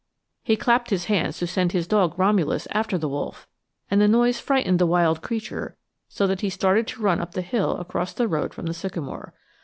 He clapped his hands to send his dog, Romulus, after the wolf; and the noise frightened the wild creature so that he started to run up the hill across the road from the sycamore.